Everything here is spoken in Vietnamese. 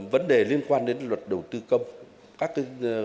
vấn đề liên quan đến luật đầu tư công